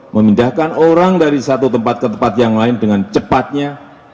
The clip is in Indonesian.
memindahkan orang dari satu tempat ke tempat yang lain dengan cepatnya